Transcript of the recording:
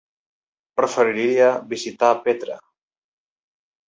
Preferiria visitar Petra.